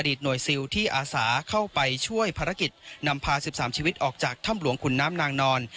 หน่วยซิลที่อาสาเข้าไปช่วยภารกิจนำพา๑๓ชีวิตออกจากถ้ำหลวงขุนน้ำนางนอน